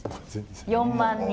４万人。